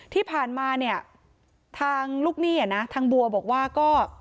ที่ผ่านมาเนี่ยทางลูกหนี้นะทางบัวบอกว่าก็